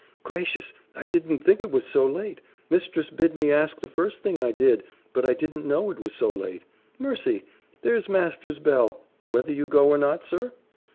"Gracious! I didn't think it was so late! Mistress bid me ask the first thing I did but I didn't know it was so late Mercy! there's master's bell whether you go or not, sir?"